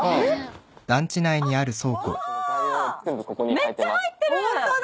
めっちゃ入ってる！